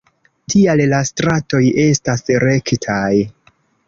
Tial la stratoj estas rektaj.